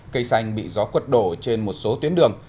cây xanh bị gió quật đổ trên một số tuyến đường